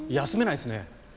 休めないですね。